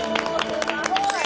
すごい！